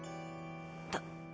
だ